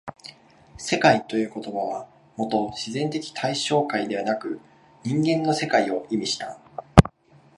「世界」という言葉はもと自然的対象界でなく人間の世界を意味した。